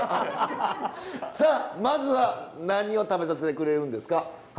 さあまずは何を食べさせてくれるんですか？